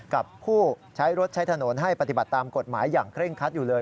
กับผู้ใช้รถใช้ถนนให้ปฏิบัติตามกฎหมายอย่างเคร่งคัดอยู่เลย